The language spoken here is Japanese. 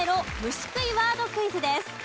虫食いワードクイズです。